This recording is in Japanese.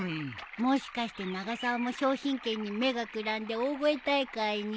もしかして永沢も商品券に目がくらんで大声大会に？